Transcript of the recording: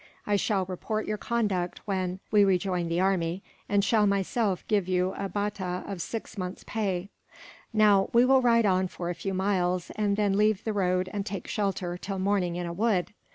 I shall report your conduct when we join the army, and shall myself give you a batta of six months' pay. "Now, we will ride on for a few miles, and then leave the road and take shelter, till morning, in a wood.